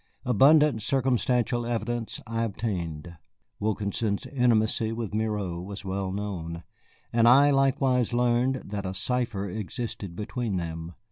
Abundant circumstantial evidence I obtained: Wilkinson's intimacy with Miro was well known, and I likewise learned that a cipher existed between them.